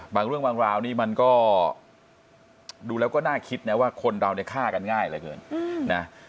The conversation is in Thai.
บางเรื่องบางราวนี่มันก็ดูแล้วก็น่าคิดนะว่าคนเราเนี่ยฆ่ากันง่ายเหลือเกินนะ